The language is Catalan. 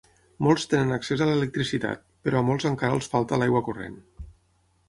Molts tenen accés a l’electricitat, però a molts encara els falta l'aigua corrent.